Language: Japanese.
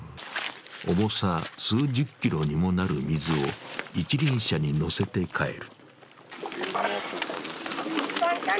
重さ数十キロにもなる水を一輪車に載せて帰る。